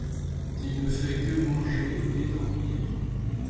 Il ne fait que manger et dormir.